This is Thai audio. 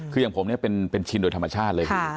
คืออย่างผมเนี่ยเป็นชินโดยธรรมชาติเลย